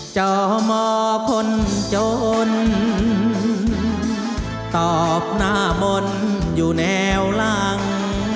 จอมอคนจนตอบหน้ามนต์อยู่แนวหลัง